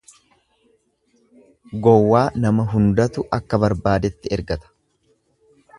Gowwaa nama hundatu akka barbaadetti ergata.